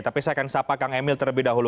tapi saya akan sapa kang emil terlebih dahulu